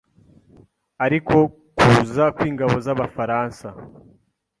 ariko kuza kw’ingabo z’abafaransa